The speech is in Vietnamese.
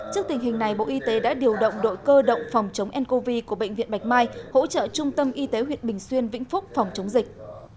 trước tình hình này bộ y tế đã điều động đội cơ động phòng chống ncov của bệnh viện bạch mai hỗ trợ trung tâm y tế huyện bình xuyên vĩnh phúc phòng chống dịch